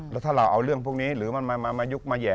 แล้วถ้าเราเอาเรื่องพวกนี้หรือมันมายุกมาแห่